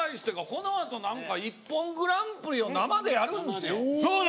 この後なんかＩＰＰＯＮグランプリを生でやるんですよね。